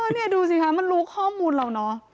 นี่ดูสิคะมันรู้ข้อมูลเราเนอะ